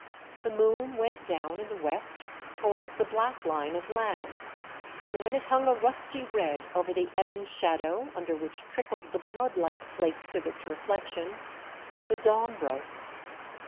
The moon went down in the west towards the black line of land, and when it hung a rusty red over the ebon shadow under which trickled the blood like flakes of its reflection, the dawn broke.